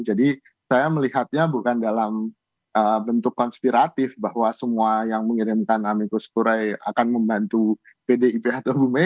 jadi saya melihatnya bukan dalam bentuk konspiratif bahwa semua yang mengirimkan amicus curiae akan membantu pdip atau bumb